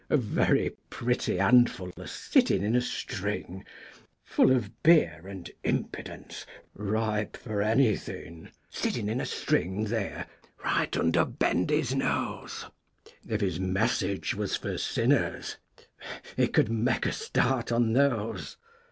A very pretty handful a sittin' in a string, Full of beer and impudence, ripe for any thing, Sittin' in a string there, right under Bendy's nose, If his message was for sinners, he could make a start on those.